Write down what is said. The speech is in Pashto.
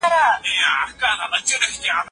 ما له شرمه د سبزیو لوښي ته د لاس غځولو جرئت ونه کړ.